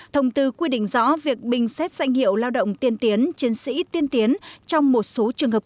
thông tư quy định rõ việc bình xét danh hiệu lao động tiên tiến chiến sĩ tiên tiến trong một số trường hợp cụ thể được thực hiện như sau